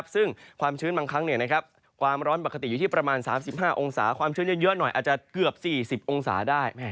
ซึ่งความชื้นบางครั้งความร้อนปกติอยู่ที่ประมาณ๓๕องศาความชื้นเยอะหน่อยอาจจะเกือบ๔๐องศาได้